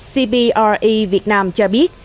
cbre việt nam cho biết